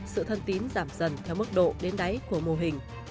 sự thân tín giảm dần theo mức độ đến đáy của mô hình